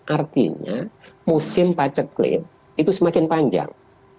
artinya musim pacek klin itu semakin panjang